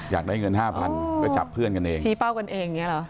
อยากได้เงิน๕๐๐๐บาทก็จับเพื่อนกันเอง